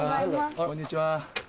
こんにちは。